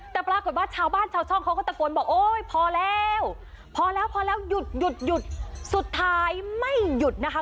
แต่ปรากฏว่าชาวบ้านชาวช่องเขาก็ตะโกนบอกโอ๊ยพอแล้วพอแล้วพอแล้วหยุดหยุดสุดท้ายไม่หยุดนะคะ